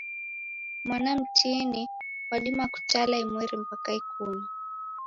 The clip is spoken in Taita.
Mwana mtini wadima kutala imweri mpaka ikum